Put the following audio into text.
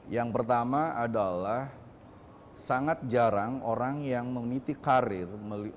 yang pertama adalah sangat jarang orang yang memiliki karir